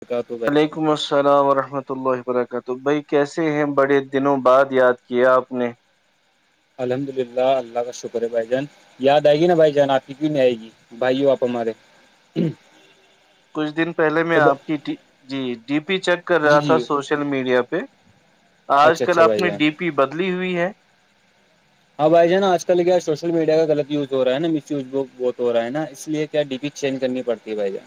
پتا تو بھائی وعلیکم السلام ورحمۃ اللہ وبرکاتہ بھائی کیسے ہیں بڑے دنوں بعد یاد کیاے آپ نے الحمد للہ اللہ کا شکر ہے بھائی جان یاد آئے گی نا بھائی جان آپ کی میں آئے گی بھائیو آپ مارے [unintelligible] کچھ دن پہلے میں آپ کی جی ڈی پی چیک کر رہا جی جی تھا سوش ل میڈیا پہ آج اچھا کل اچھا بھائی اپنی جان ڈی پی بدلی ہوئی ہے ہاں بائی ہے نا آج کل کیا ہے سوشل میڈیا کا غط یوز ہو رہا ہےا مس یوز بہت ہو رہا ہے نا اس لیے کیا ڈی پی چینج کرنی پڑتی ہے بھائی جان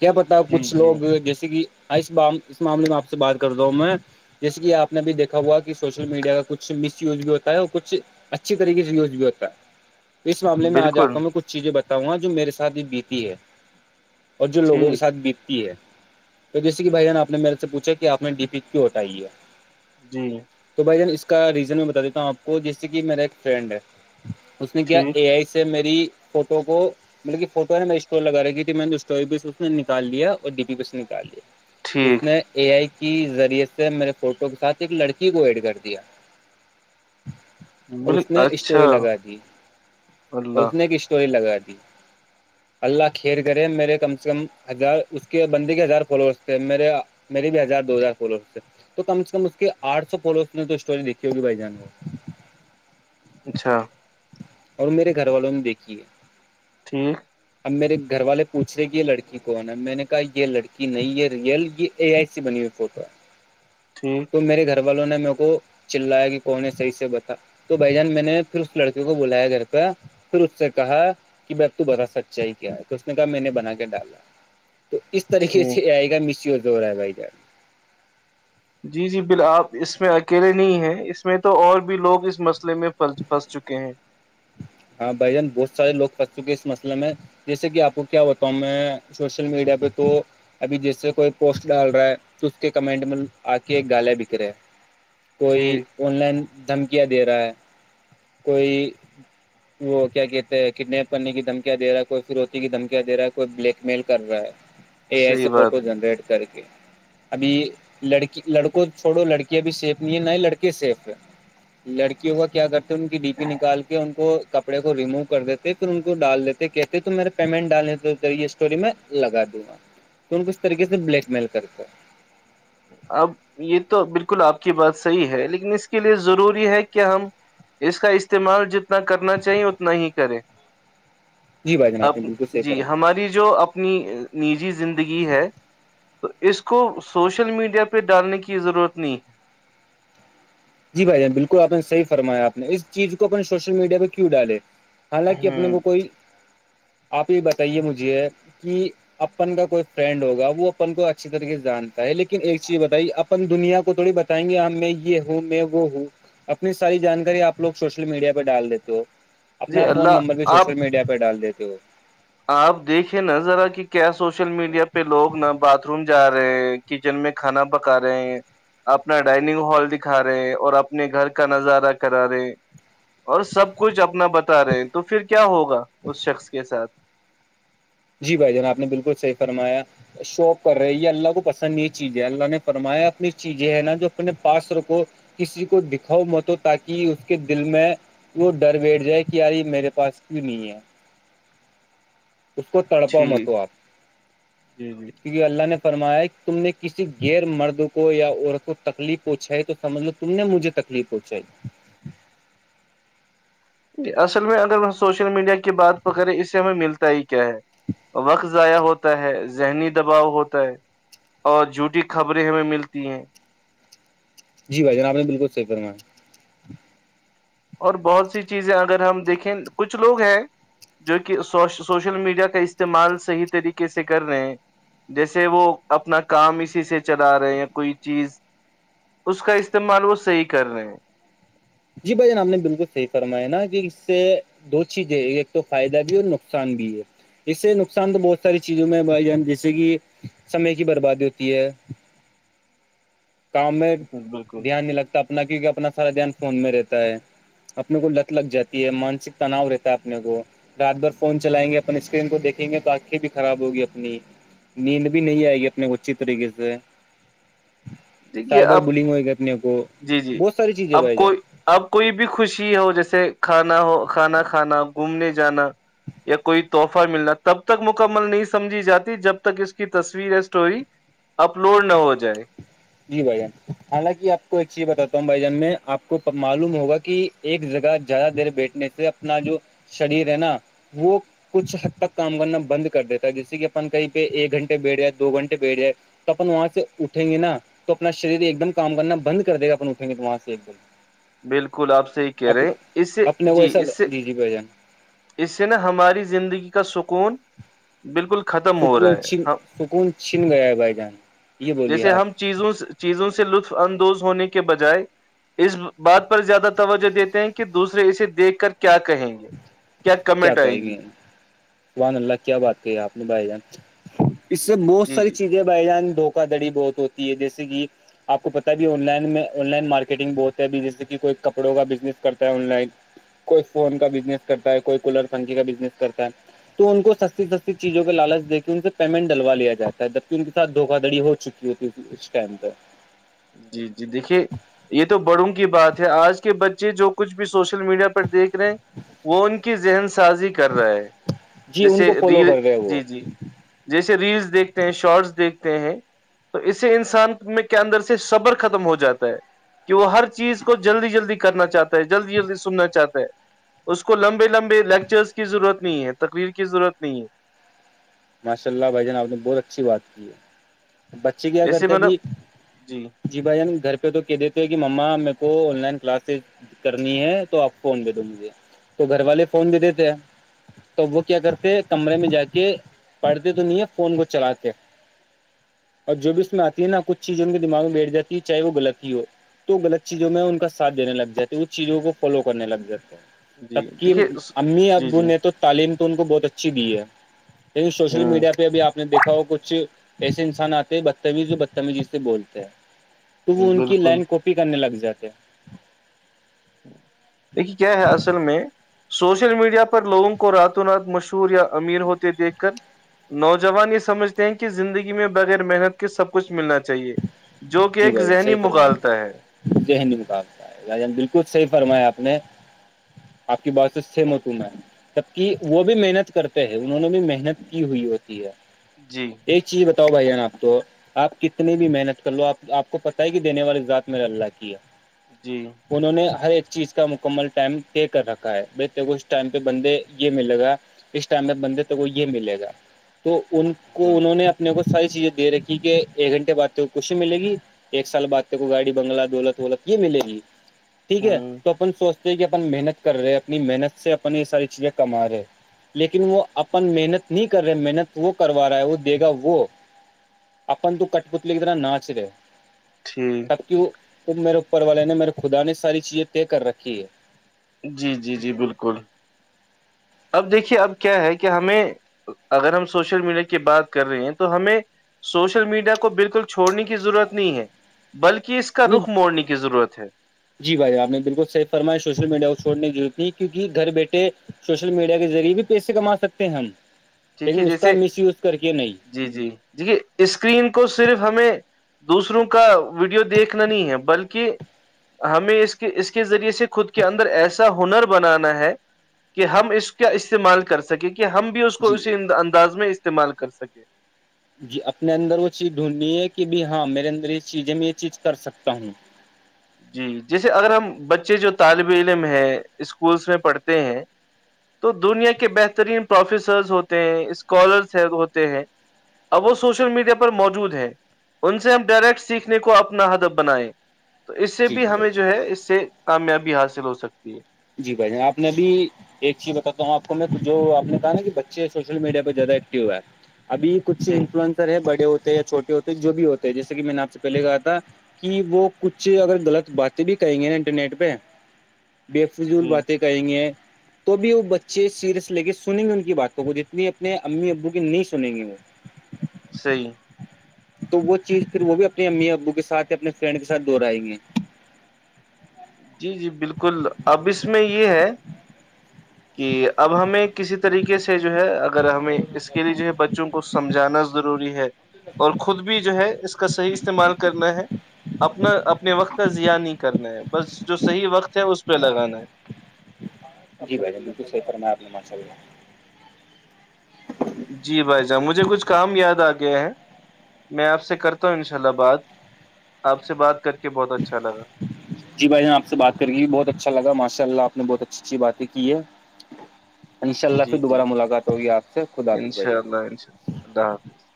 کیا پتا جی کچھ جی لوگ جیسے کہ ہ اس اس معاملے میں آپ سے بات کرتا ہوں میں جیسے کہ آپ نے بھی دیکھا ہوا کہ سوشل میڈیا کا کچھ مس یوز بھی ہوتا ہے اور کچھ اچھی طریقے سے یوز بھی ہوتا ہے اس معاملے میں آج بالکل آپ میں کچھ چیزیں بتاؤں گا جو میرے ساتھ بھی بیتی ہے اور جو لوگوں کے ٹھیک ساتھ بیتتی ہے تو جیے کہ بھائیان آ نے میرے سے پوچھا کہ آپ نے ڈی پی کیوں ہٹائی ہے جی ج تو بھائی جان اس کا ریزن میں بتا دیتا ہوں آپ کو جیسے کہ میرا ایک فرینڈ ہے اس نے کیا ٹھیک اے آئی سے میری فوٹو کو مطلب کہ فوٹو ہے نے م اسٹور لگا رہی تھی میں نے اس بھی اس نکالیا اور ڈی بیی بھی اس نکال لیا اس ٹھیک نے اے آئی کی ذریعے سے میرے فوٹو کے ساتھ ایک لڑکی کو ایڈ کر دیا اور بال اس نے اچھا اسٹوری لگا دی اور اللہ اس نے ایک اسٹوری لگا دی اللہ کھییر کرے میرے کم سے کم ہزار اس کے بندی کے ہزار فالوورس تھے میرے میری بھی ہزار دو ہزار فولو تو کم سے کم اس کے آٹھ سو فالوز نے تو اسٹوری دیکھی ہوگی بھائی جان کو اچھا اور میرے گھر والوں نے دیکھی ہے ٹھیک اب میرے گھر والے پوچھ رہے کہ یہ لڑکی کون ہے میں نے کہا یہ لڑکی نہیں یہ ریئل یہ ا آئی سی بنی ہوئی فوٹو [unintelligible] ٹھیک میرے گھر والوں نے میرے کو چلایا کہ کون نے صح سے بتا تو بھ جان میں نے پھر اس لڑکی کو کو بولایا گھر کا پھر اس سے کہا کہ ب اب تو بتا سچائی کیا ہے اس نے کہا میں نے بنا کے ڈالا تو اس طریقے ٹھیک سے آئے گا مسیی جو ہو رہا ہے بھائی جان جی جی بال آپ اس میں اکیلے نہیں ہیں اس میں تو اور بھی لوگ اس مس فلے میں پنس چکے ہیں ہاں بھائی جان بہت سارے لگ پنس چکے اس مسلے میں جیسے کہ آپ کو کیا بتاؤں میں سوشل میڈیا پہ تو ابھی جیس سے کوئی پوسٹ ڈال رہا ہے تو اس کے کمنٹ میں آ کے ایک گالے بکرے ہے کوئی ٹھیک آن لائن دھمکیاں دے رہا ہے کوئی وہ کیا کہتے ہیں کڈنیپ کرنے کی دھمکیا د رہا ہے کوئی فروتی کی دھمیاںے رہا ہے کوئی بلیک میل کر رہا ہے یہ ایسے صحیح بات ہے فوٹو جنریٹ کر کے ابھی لڑکی لڑکوں چھوڑو لڑکی ابھی سیف نہیں ہے نہ ہی لڑکے سیف ہے لڑکیوں کا کیا کرتے ان کی ڈی پی نکال کے ان کو کپڑے کو رموو کر دیتے پھر ان کو ڈال دیتے کہتے تو میرا پیمنٹ ڈالنے یہ اسٹوری میں لگا دوں گا تو ک اس طریق سے بلیک میل کرتے ہیں اب یہ تو بالکل آپ کی بات صحیح ہے لیکن اس کے لیے ضروری ہے کہ ہم اس کا استعمال جتنا کرنا چاہیں اتنا ہی کریں جی بھائی جان ا آپ نے بالکل صحیح جی فرمایا ہماری جو اپنی نجی زندگی ہے تو اس کو سوچ شل میڈیا پہ ڈالنے کی ضرورت نہیں جی بھائی جان بالکل آ نے صحی فرایا آپ نے اس چیز کو اپنے سوشل میڈیا پہ کیوں ڈالے ہے حالانکہ اپنے ہ کو کوئی آپ یہ بتائیے مجھے کہ اپن کا کوئی فرینڈ ہوگا وہ اپن کو اچھی طریقے سے جانتا ہے لیکن ایک چیز بتائی اپ اپن دنیا کو تھوڑی بتائیں گے ہم میں یہ ہوں میں وہ ہوں اپنی ساری جانکاری آپ لوگ سوشل میڈیا پہ ڈال دیتے ہو اپنا جی فون اللہ نمبر بھی آپ سوشل میڈیا پہ ڈال دیتے ہو آپ دیکھے نا ذرا کہ کیا سوشل میڈیا پہ لوگ ن باتھ روم جا رہے ہیں کچن میں کھانا پکا رہے ہیں اپنا ڈائننگ ہال دکھا رہے ہیں اور اپنے گھر کا نظارہ کرا رہے ہیں اور سب کچھ اپنا بتا رہے ہیں تو پھر کیا ہوگا اس شخص کے ساتھ جی بھائی جان آپ نے بالکل صحیح فرمایا شوق کر رہے یہ اللہ کو پسند یہ چیز ہے اللہ نے فرمایا اپنی چیزیں ہے نا جو اپنے پاسر کو کسی کو دکھاؤ مت ہو تاکہ اس کے دل میں وہ ڈر بیٹھ جائے کہ یار میرے پاس کیوں نہیں ہے اس کو تڑپا مت ٹھیک آپ جی کہ اللہ نے فرمایا تم نے کسی غیر مرد کو یا عورت کو تکلیف پوچھا ہے تو مطلب تم نے مجھے تکلیف پہنچائی اصل میں اگر ہم سوشل میڈیا کی بات پکڑیں اس سے ہمیں ملتا ہی کیا ہے وقت ضائع ہوتا ہے ذہنی دباؤ ہوتا ہے اور جھوٹی خبریں ہمیں ملتی ہیں جی بھائی جان آپ بالکلیف کرا ہے اور بہت سی چیزیں اگر ہم دیکھیں کچھ لوگ ہیں جو کہو سوشل میڈیا کا استعمال صحیح طریقے سے کر رہے ہیں جیسے وہ اپنا کام اسی سے چلا رہے ہیں یا کوئی چیز اس کا استعمال وہ صحیح کر رہے ہیں جی بھائی جان آپ نے بالکل صحیح فرما ہے نا کہ اس سے دو چیزیں ایک تو فائدہ بھی اور نقصان بھی ہے اس سے نقصان تو بہت ساری چیزوں میں بھائی ج جیسے کہ سمے کی بربادی ہوتی ہے کام میں ہیں بالکل دھیان نہیں لگتا اپنا کیونکہ اپنا سارا دھیان فون میں رہتا ہے اپنے کو لت لگ جاتی ہے مانسک تناؤ رہتا ہے اپنے کو رات بھر فون چلائیں گے اپنے اسکرین کو دیکھیں گے تو آنکھیں بھی خراب ہوگی اپنی نیند بھی نہیں آئے گی اپنے کو اچھی طریقے سے دیکھیے سائبر اب بلنگ ہوئے گی اپنے کو جی جی بہت ساری چیزیں اب بھائی جان کوئی اب کوئی بھی خوشی ہو جیسے کھانا ہو کھانا کھانا گھومنے جانا یا کوئی تحفہ ملنا تب تک مکمل نہیں سمجھی جاتی جب تک اس کی تصویر ہے اسٹوری اپلوڈ نہ ہو جائے جی بھائی جان حالانکہ آپ کو ایک چیز بتاتا ہوں بھائی جان میں آپ کو معلوم ہوگا کہ ایک جگہ زیادہ دیر بیٹھنے سے اپنا جو شریر ہے نا وہ کچھ حد تک کام کرنا بند کر دیتا ہے جیسے کہ اپن کہیں پہ ایک گھنٹے بیٹھ جائے دو گھنٹے بیٹھ جائے تو اپن وہاں سے اٹھیں گے نا تو اپنا شریر ایک دم کام کرنا بند کر دے گا اپن اٹھیں گے تو وہاں سے ایک دم بالکل آپ صحیح کہہ رہے ہیں اس سے اپنے کو جی ایسا اس سے جی جی بھائی جان اس سے نا ہماری زندگی کا سکون بالکل ختم ہو رہا سکون ہے چھن ہم سکون چھن گیا ہے بھائی جان یہ بولیے جیسے آپ ہم چیزوں سے چیزوں سے لطف اندوز ہونے کے بجائے اس بات پر زیادہ توجہ دیتے ہیں کہ دوسرے اسے دیکھ کر کیا کہیں گے کیا کمنٹ آئے کہیں گی گے سبحان اللہ کیا بات کہی آپ نے بھائی جان اس سے بہت جی ساری جی چیزیں بھائی جان دھوکا دھڑی بہت ہوتی ہے جیسے کہ آپ کو پتا ہے بھی آن لائن میں آن لائن مارکیٹنگ بہت ہے ا جیسے کہ کوئی کپڑوں کا بزنس کرتا ہے آن لائن کوئی فون کا بزنس کرتا ہے کوئی کولر پنکھی کا بزنس کرتا ہے تو ان کو سستی سستی چیزوں کے لالچ دے کے ان سے پیمنٹ ڈلوا لیا جا ہے جبکہ ان کے ساتھ دھواڑی ہو چکی کہ اس ٹائم کا جی جی دیکھیے یہ تو بڑوں کی بات ہے آج کے بچے جو کچھ بھی سوشل میڈیا پر دیکھ رہے ہیں وہ ان کی ذہن سازی کر رہا ہے جی ان جیسے کو فالو ریڑ کر رہے ہیں وہ جی جی جیسے ریلس دیکھتے ہیں شارٹس دیکھتے ہیں تو اسے انسان میں کیا اندر سے صبر ختم ہو جاتا ہے جو ہر چیز کو جلدی جلدی کرنا چاہتا ہے جلدی جلدی سننا چاہتا ہے اس کو لمبے لمبے لیکچرس کی ضرورت نہیں ہے تقریر کی ضرورت نہیں ہے ماشاء اللہ بھائی جان آپ نے بہت اچھی بات کی ہے بچے کیا جیسے کرتے مطلب ابھی جی بھائی جان گھر پہ تو کہ دیتے ہیں کہ ممما میر کو آن لائن کلاس کرنی ہے تو آپ فون دے دو دو مجھے تو گھر والے فون بھی دیتے ہیں توب وہ کیا کرتے کمرے میں جا کے پڑھتے تو نہیں ہے فون کو چلاتے اور جو بھی اس میں آتی ہے نا کچ چیز ان کے دماغ میں بیٹھ جات ہے چاہے وہ غلط ہی ہو تو غلط چیزوں میں ان کا سھ دینے لگ جاتے اس چیزوں کو فالو کرنے لگ جاتے ہیں جی تب کی دیکھیے امی جی ابو جی نے تو تعلیم تو ان کو بہت اچھی دی ہے لیکن ہ سوشل میڈیا پہ اب آپ نے دیکھا ہو کچھ ایسے انسان آتے ہیں بدتمیز جو بدتمیزی سے بولتے ہیں تو وہ ان کی بالکل لائن کوپ کی کرنے لگ جاتے دیکھیے کیا ہے اصل میں سوشل میڈیا پر لوگوں کو رات و رات مشہور یا امیر ہوتے دیکھ کر نوجوان یہ سمجھتے ہیں کہ زندگی میں بغیر محنت کے سب کچھ ملنا چاہیے جو کہ ایک ذہنی مغالتا ہے جے ہنداب بالکل صحی فرمایا آپ نے آپ کی بات سے سمت ہوں میں جبک وہ بھی محنت کرتے ہیں انہوں نے بھی محنت کی ہوئی ہوتی ہے جی ایک چیز بتاؤ بھائی جان آپ کتنی بھی محنت کر لو آپ آپ کو پتہ ہی کہ دینے والی ذات میر نے اللہ کی ہے جی انہوں نے ہر ایک چیز کا مکمل ٹائم طے کر رکھا ہے اس ٹائم پہ بندے یہ ملے گا اس ٹائم میں بندے کو یہ ملے گا تو ان کو ہوں انہوں نے اپنے کو ساری چیزیں دے رکھی کہ ایک گھنٹے بعد جو خوشی ملے گی ایک سال بعد کے کو گاڑی بنگلہ دولت وولت یہ ملے گی ٹھیک ہے ہوں تو اپن سوچتے ہیں کہ اپن محنت کر رہے اپنی محنت سے اپن یہ ساری چیزیں کما رہے لیکن وہ اپن محنت نہیں کر رہے محنت وہ کروا رہا ہے وہ دے گا وہ اپپن کٹ پتلرا ناچ ہے جٹھ تب کی ت میرے اوپر والے نے میرے خدا نے ساری چیزیں طے کر رکھی ہے جی جی جی بالکل اب دیکھیے اب کیا ہے کہ ہمیں اگر ہم سوشل میڈیا کی بات کر رہے ہیں تو ہمیں سوشل میڈیا کو بالکل چھوڑنے کی ضرورت نہیں ہے بلکہ اس کے کا نہیں رخ موڑنے کی ضرورت ہے جی بھائی آپ نے بالکل صحی فرما سوشل میڈیا کو چھوڈ تبے کی رورت ت کیون کہ گھر بیٹھے چپ چپ سوشل میڈیا کے ذریعے بھی پیسے کما سکتے ہیں ہم ٹھیک ہے لیکن اس کا جیسے مس یوز کر کے نہیں جی جی اسکرین کو صرف ہمیں دوسروں کا ویڈیو دیکھنا نہیں ہے بلکہ ہمیں اس کے ذریعے سے خود کے اندر ایسے ہنر بنانا ہے کہ ہم اس کا استعمال کر سکیں کہ ہم بھی اس کو جی اسی انداز میں استعمال کر سکے جی اپنے اندر وہ چیز ڈھونڈنی ہے کہ ب ہاں میرے اندر یہ چیز ہے میں یہ چیز کر سکتا ہوں جی جیسے اگر ہم بچے جو طالب علم ہے اسکولس میں پڑھتے ہیں تو دنیا کے بہترین پروفیسرس ہوتے ہیں اسکالرس ہوتے ہیں اب وہ سوشل میڈیا پر موجود ہے ان سے ہم ڈائریکٹ سیکھنے کو اپنا ہدب بنائیں تو اس سے جی بھی جی ہمیں بھائی جو ہے اس سے کامیابی حاصل ہو سکتی ہے جی بھائی جان آپ نے ابھی ایک چیز بتاتا ہوں آپ کو میں جو آ نے کہا نا کہ بچے سوشل میڈیا پہ زیادہ ایکٹیو ہے ابھی کچھ جی انفلئسر ہے بڑے ہوتے ہیںیا چھٹے ہوتے ہیں جو بھی ہوتے ہیں جیسے کہ میں نے آپ سے پہلے کہا تھا کہ وہ کچھ اگر غلط باتیں بھی کہیں گے نا انٹرنیٹ پہ بے فضول جی باتیں کریں گے تو بھی وہ بچے سیریس لے کے سنیں گے ان کی باتوں کو جتنی اپنے امی ابو کی نہیں سنیں گی وہ ص [unintelligible] تو وہ چیز پھر وہ بھی اپنی امی ابو کے سات اپنے فرینڈ کےاتھ دوہرائیں گے جی جی بالکل اب اس میں یہ ہے کہ اب ہمیں کسی طریقے سے جو ہے اگر ہمیں اس کے لیے جو ہے بچوں کو سمجھانا ضروری ہے اور خود بھی جو ہے اس کا صحیح استعمال کرنا ہے اب اپنا اپنے وقت کا زیا نہیں کرنا ہے بس جو صحیح وقت ہے اس پہ لگانا ہے جی بھائی جان بالک صی ف میں آپ نے م چ جی بھائی جانب مجھے کچھ کام یاد آ گیا ہیں میں آپ سے کرتا ہوں انشاء اللہ بات آپ سے بات کر کے بہت اچھا لگا جی بھائی یہاں آپ سے بات کر کےی بھی بہت اچھا لگا ماشاء اللہ آپ نے بہت اچھی اچھی باتیں کی ہے انشاء اللہ پھر جی دوبارہ ملاقات ہوگی آپ سے خود حافظ بھ جا س [unintelligible] اللہ حافظ